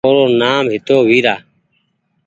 او رو نآم هتو ويرا